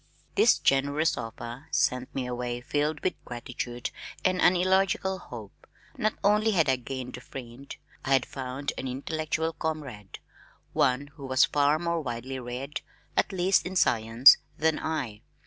This generous offer sent me away filled with gratitude and an illogical hope. Not only had I gained a friend, I had found an intellectual comrade, one who was far more widely read, at least in science, than I.